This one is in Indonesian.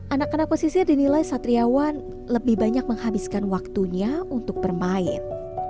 anak anak pesisir dinilai satriawan lebih banyak menghabiskan waktunya untuk bermain